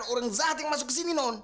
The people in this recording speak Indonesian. ada orang jahat yang masuk kesini non